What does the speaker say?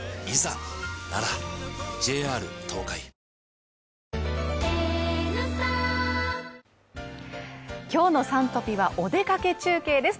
「さわやかパッド」今日の「Ｓｕｎトピ」はお出かけ中継です。